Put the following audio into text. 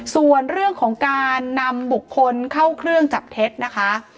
ส่วนเรื่องของการนำบุคคลเข้าเครื่องจับเท็จนะคะ